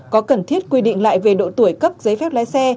có cần thiết quy định lại về độ tuổi cấp giấy phép lái xe